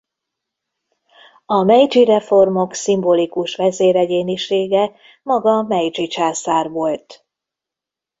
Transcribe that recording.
A Meidzsi-reformok szimbolikus vezéregyénisége maga Meidzsi császár volt.